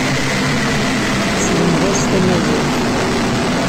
Tesselmed-as tamaziɣt.